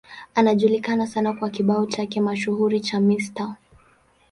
Anajulikana sana kwa kibao chake mashuhuri cha Mr.